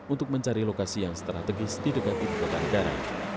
untuk mencari lokasi yang strategis di dekat ibu kota negara